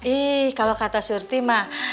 ih kalau kata surti mah